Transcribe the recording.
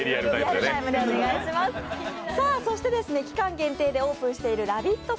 そして期間限定でオープンしているラヴィット！